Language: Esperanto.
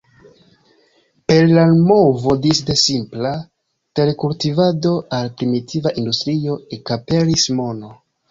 Per la movo disde simpla terkultivado al primitiva industrio, ekaperis mono.